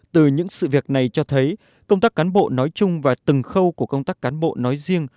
từ những sự việc này cho thấy công tác cán bộ nói chung và từng khâu của công tác cán bộ nói riêng